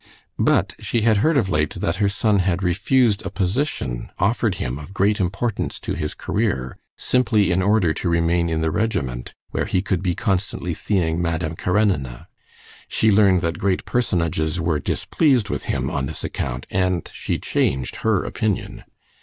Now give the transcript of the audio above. But she had heard of late that her son had refused a position offered him of great importance to his career, simply in order to remain in the regiment, where he could be constantly seeing Madame Karenina. She learned that great personages were displeased with him on this account, and she changed her opinion.